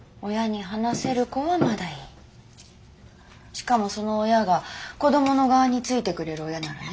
しかもその親が子供の側についてくれる親ならね。